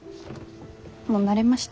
もう慣れました？